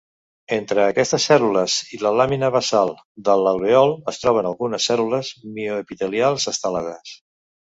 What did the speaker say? Entre aquestes cèl·lules i la làmina basal de l'alvèol es troben algunes cèl·lules mioepitelials estelades.